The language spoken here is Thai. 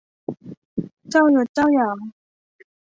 เจ้ายศเจ้าอย่าง